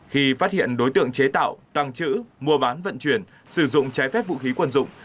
khi phát hiện đối tượng chế tạo tăng chữ mua bán vận chuyển sử dụng trái phép vũ khí quân dụng